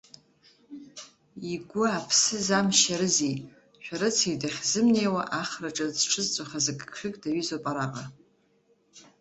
Игәы аԥсы замшьарызеи, шәарыцаҩ дахьзымнеиуа ахраҿы зҽызҵәахыз агыгшәыг даҩызоуп араҟа.